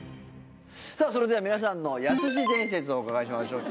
さあ、それでは皆さんのやすし伝説をお聞きしましょう。